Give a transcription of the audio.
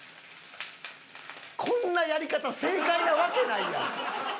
こんなやり方正解なわけないやん！